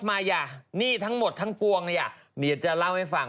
มีทั้งหมด๒๖ใบเป็นเงิน